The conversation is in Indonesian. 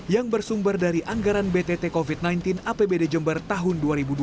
yang bersumber dari anggaran btt covid sembilan belas apbd jember tahun dua ribu dua puluh